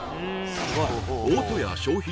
大戸屋商品